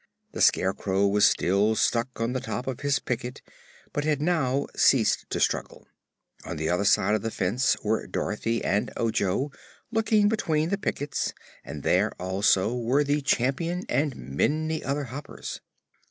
The Scarecrow was still stuck on the top of his picket but had now ceased to struggle. On the other side of the fence were Dorothy and Ojo, looking between the pickets; and there, also, were the Champion and many other Hoppers.